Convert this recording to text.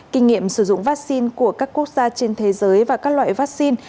kinh nghiệm sử dụng vaccine của các quốc gia trên thế giới và các loại vaccine